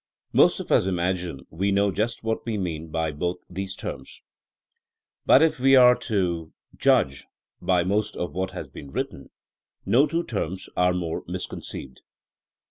'' Most of us imagine we know just what we mean by both these terms. But if we are to 68 THINKPra AS A SOIENGE 69 judge by most of what has been written, no two terms are more misconceived.